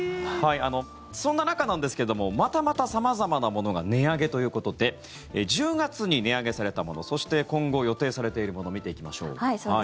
そんな中なんですけどもまたまた様々なものが値上げということで１０月に値上げされたものそして今後、予定されているもの見ていきましょう。